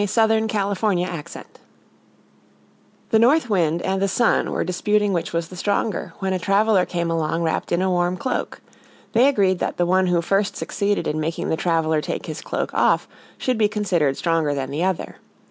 Orthographic version The North Wind and the Sun were disputing which was the stronger, when a traveler came along wrapped in a warm cloak. They agreed that the one who first succeeded in making the traveler take his cloak off should be considered stronger than the other.